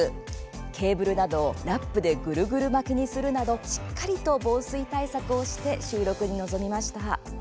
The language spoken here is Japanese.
ケーブルなどをラップでぐるぐる巻きにするなどしっかりと防水対策をして収録に臨みました。